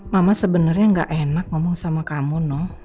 mama sebenernya gak enak ngomong sama kamu noh